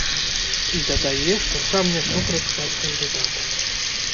І дадае, што сам не супраць стаць кандыдатам.